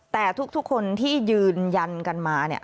แต่ทุกคนที่ยืนยันกันมาเนี่ย